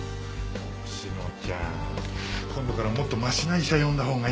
志乃ちゃん今度からはもっとマシな医者呼んだほうがいいよ。